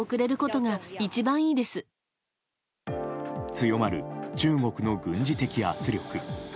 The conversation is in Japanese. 強まる中国の軍事的圧力。